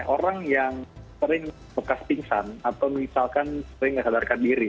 orang yang sering bekas pingsan atau misalkan sering menghadarkan diri